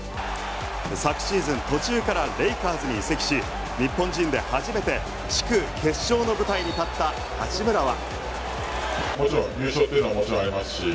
昨シーズン途中からレイカーズに移籍し日本人で初めて地区決勝の舞台に立った八村は。